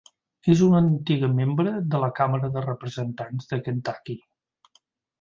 És una antiga membre de la càmera de representants de Kentucky.